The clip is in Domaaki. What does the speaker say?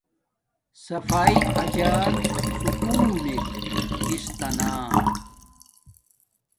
صفایݵ اجاک سکون نک کس تا نا